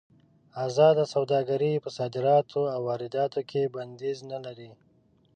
ازاده سوداګري په صادراتو او وارداتو کې بندیز نه لري.